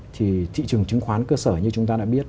thì thị trường chứng khoán cơ sở như chúng ta đã biết